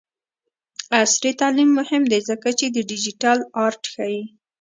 عصري تعلیم مهم دی ځکه چې د ډیجیټل آرټ ښيي.